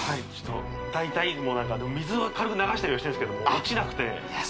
大体水は軽く流したりはしてるんですけど落ちなくていや